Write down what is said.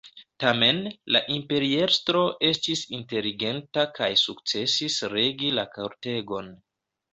Tamen, la imperiestro estis inteligenta kaj sukcesis regi la kortegon.